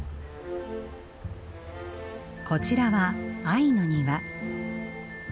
こちらは愛の庭。